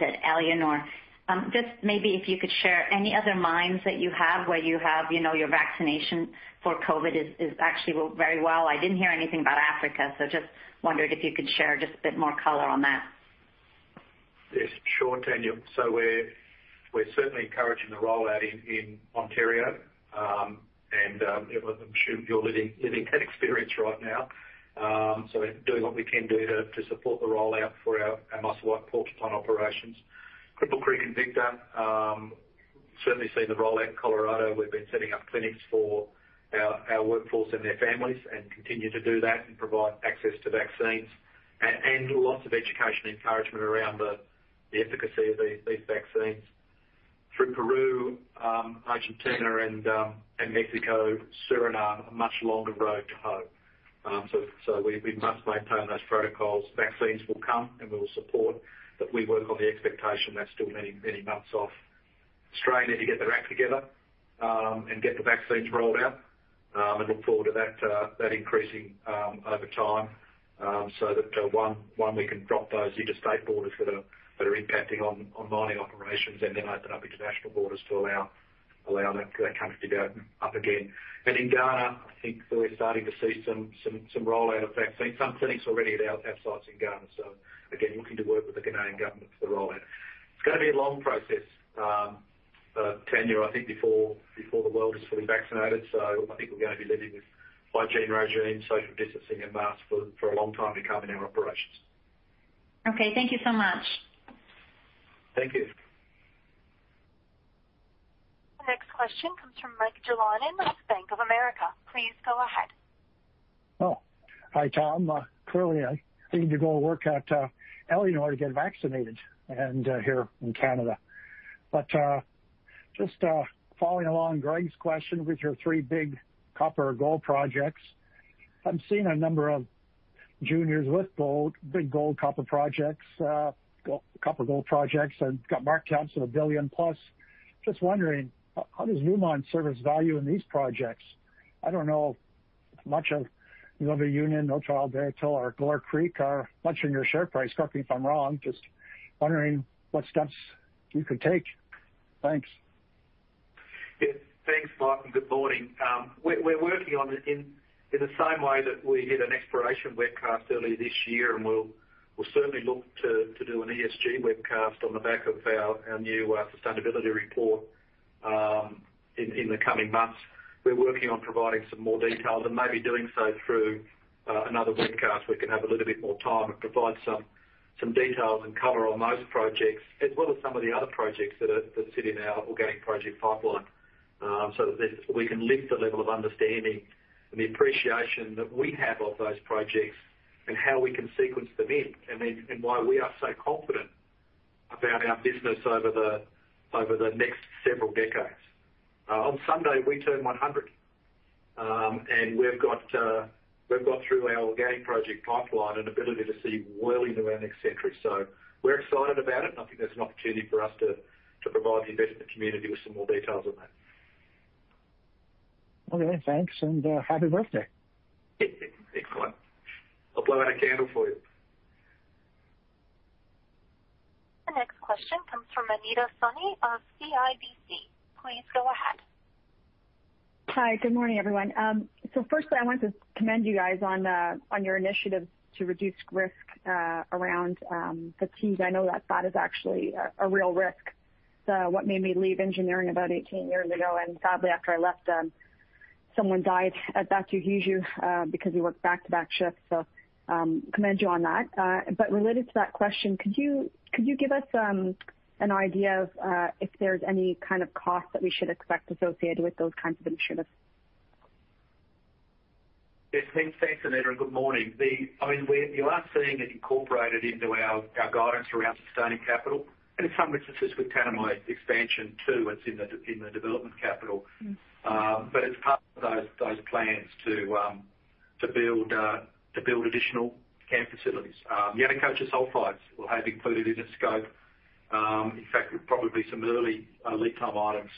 at Éléonore. Just maybe if you could share any other mines that you have where you have your vaccination for COVID is actually very well? I didn't hear anything about Africa, just wondered if you could share just a bit more color on that?
Yes, sure, Tanya. We're certainly encouraging the rollout in Ontario. I'm assuming you're living that experience right now. We're doing what we can do to support the rollout for our Musselwhite operations. Cripple Creek and Victor, certainly seen the rollout in Colorado. We've been setting up clinics for our workforce and their families and continue to do that and provide access to vaccines. Lots of education encouragement around the efficacy of these vaccines. Through Peru, Argentina, and Mexico, Suriname, a much longer road to home. We must maintain those protocols. Vaccines will come, and we'll support, but we work on the expectation that's still many months off. Australia need to get their act together, and get the vaccines rolled out, and look forward to that increasing over time, so that, one, we can drop those interstate borders that are impacting on mining operations and then open up international borders to allow that country to go up again. In Ghana, I think we're starting to see some rollout of vaccines. Some clinics already at our sites in Ghana, so again, looking to work with the Canadian government for the rollout. It's going to be a long process, Tanya, I think, before the world is fully vaccinated. I think we're going to be living with hygiene regimes, social distancing, and masks for a long time to come in our operations.
Okay, thank you so much.
Thank you.
Next question comes from Mike Jalonen, Bank of America. Please go ahead.
Hi, Tom. Clearly, I need to go work at Éléonore to get vaccinated and here in Canada. Just following along Greg's question with your three big copper-gold projects. I'm seeing a number of juniors with big gold-copper projects and got market caps of a billion-plus. Just wondering, how does Newmont surface value in these projects? I don't know much of Nueva Unión, Oyu Tolgoi, or Galore Creek, or much on your share price. Correct me if I'm wrong, just wondering what steps you could take. Thanks.
Yes. Thanks, Mike, and good morning. We're working on it in the same way that we did an exploration webcast earlier this year, and we'll certainly look to do an ESG webcast on the back of our new sustainability report in the coming months. We're working on providing some more details and maybe doing so through another webcast. We can have a little bit more time and provide some details and color on those projects, as well as some of the other projects that sit in our organic project pipeline. That we can lift the level of understanding and the appreciation that we have of those projects and how we can sequence them in, and why we are so confident about our business over the next several decades. On Sunday, we turn 100. We've got through our organic project pipeline an ability to see well into our next century. We're excited about it, and I think there's an opportunity for us to provide the investment community with some more details on that.
Okay, thanks, and happy birthday.
Thanks, Mike. I'll blow out a candle for you.
The next question comes from Anita Soni of CIBC. Please go ahead.
Hi. Good morning, everyone. Firstly, I wanted to commend you guys on your initiative to reduce risk around fatigue. I know that is actually a real risk. What made me leave engineering about 18 years ago, and sadly, after I left, someone died at Bathurst Resources because we worked back-to-back shifts. Commend you on that. Related to that question, could you give us an idea of if there's any kind of cost that we should expect associated with those kinds of initiatives?
Yes. Thanks, Anita, and good morning. You are seeing it incorporated into our guidance around sustaining capital, and in some instances with Tanami Expansion 2. It's in the development capital. It's part of those plans to build additional camp facilities. Yanacocha Sulfides we'll have included in the scope. In fact, probably some early lead time items,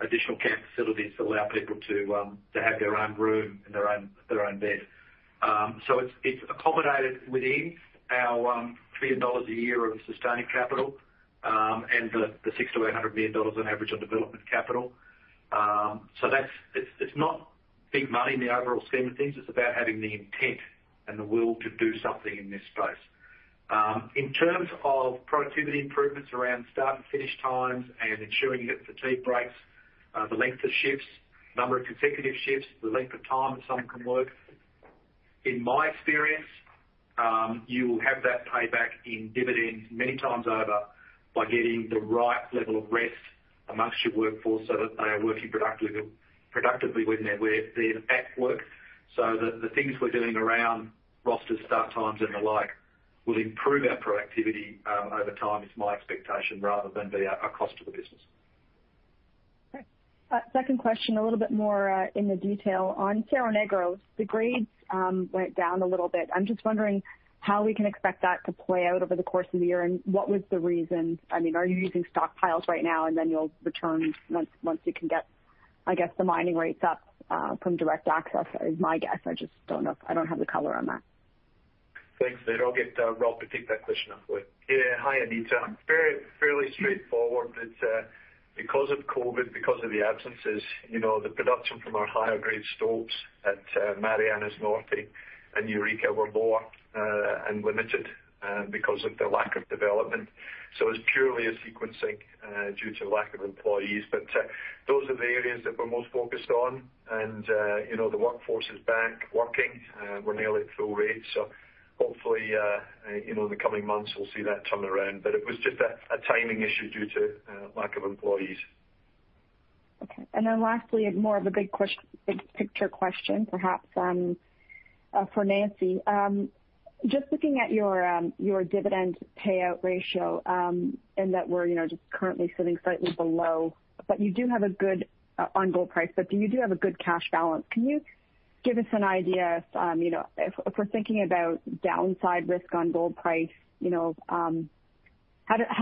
additional camp facilities to allow people to have their own room and their own bed. It's accommodated within our $3 billion a year of sustaining capital, and the $600 million-$800 million on average on development capital. It's not big money in the overall scheme of things. It's about having the intent and the will to do something in this space. In terms of productivity improvements around start and finish times and ensuring you get fatigue breaks, the length of shifts, number of consecutive shifts, the length of time that someone can work. In my experience, you will have that payback in dividends many times over by getting the right level of rest amongst your workforce so that they are working productively when they're at work. The things we're doing around roster start times and the like will improve our productivity over time, is my expectation, rather than be a cost to the business.
Okay. Second question, a little bit more in the detail. On Cerro Negro, the grades went down a little bit. I'm just wondering how we can expect that to play out over the course of the year, and what was the reason? Are you using stockpiles right now and then you'll return once you can get the mining rates up from direct access, is my guess. I just don't know. I don't have the color on that.
Thanks, Anita. I'll get Rob to take that question as well.
Yeah. Hi, Anita Soni. Fairly straightforward. It's because of COVID, because of the absences, the production from our higher-grade stopes at Mariana Norte and Eureka were lower and limited because of the lack of development. It's purely a sequencing due to lack of employees. The workforce is back working. We're nearly at full rate. Hopefully, in the coming months, we'll see that turn around. It was just a timing issue due to lack of employees.
Okay. Lastly, more of a big picture question perhaps for Nancy. Just looking at your dividend payout ratio and that we're just currently sitting slightly below on gold price, but you do have a good cash balance. Can you give us an idea, if we're thinking about downside risk on gold price, how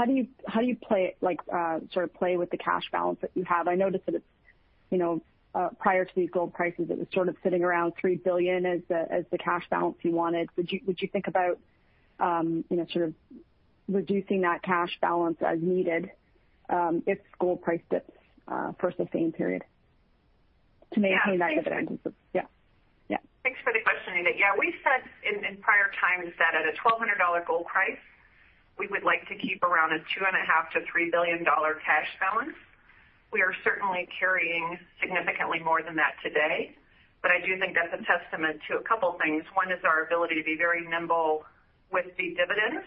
do you play with the cash balance that you have? I noticed that prior to these gold prices, it was sort of sitting around $3 billion as the cash balance you wanted. Would you think about reducing that cash balance as needed if gold price dips for a sustained period to maintain that dividend? Yeah.
Thanks for the question, Anita Soni. We've said in prior times that at a $1,200 gold price, we would like to keep around a $2.5 billion-$3 billion cash balance. We are certainly carrying significantly more than that today, I do think that's a testament to a couple things. One is our ability to be very nimble with the dividends,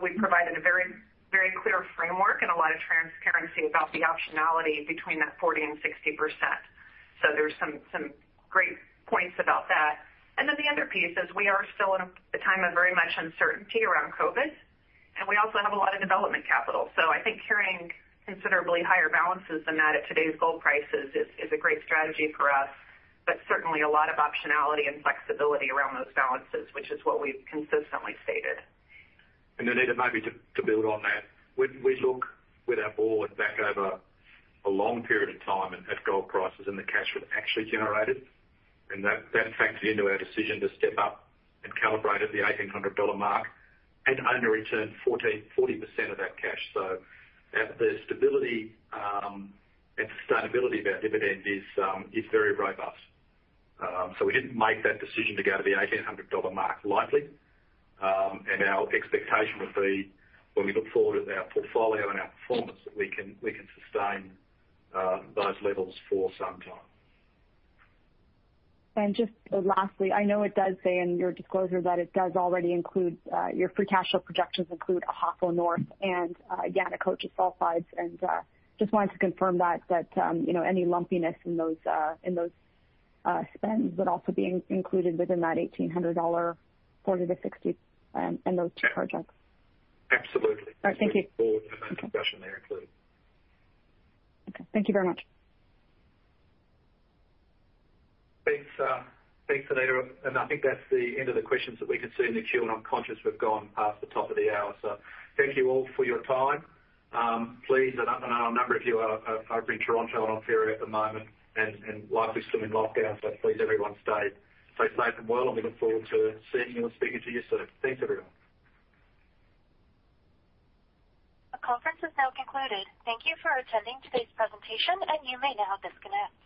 we've provided a very clear framework and a lot of transparency about the optionality between that 40% and 60%. There's some great points about that. The other piece is we are still in a time of very much uncertainty around COVID, we also have a lot of development capital. I think carrying considerably higher balances than that at today's gold prices is a great strategy for us, but certainly a lot of optionality and flexibility around those balances, which is what we've consistently stated.
Anita Soni, maybe to build on that, we look with our board back over a long period of time at gold prices and the cash we've actually generated, and that factors into our decision to step up and calibrate at the $1,800 mark and only return 40% of that cash. The stability and sustainability of our dividend is very robust. We didn't make that decision to go to the $1,800 mark lightly. Our expectation would be when we look forward at our portfolio and our performance, that we can sustain those levels for some time.
Just lastly, I know it does say in your disclosure that it does already include your free cash flow projections include Ahafo North and Yanacocha Sulfides, just wanted to confirm that any lumpiness in those spends would also be included within that $1,800, 40 to 60 in those two projects?
Absolutely.
All right. Thank you.
With the board in that discussion, they're included.
Okay. Thank you very much.
Thanks, Anita. I think that's the end of the questions that we can see in the queue, and I'm conscious we've gone past the top of the hour. Thank you all for your time. Please, I know a number of you are in Toronto and Ontario at the moment and likely still in lockdown, please, everyone, stay safe and well, and we look forward to seeing you and speaking to you soon. Thanks, everyone.
The conference is now concluded. Thank you for attending today's presentation, and you may now disconnect.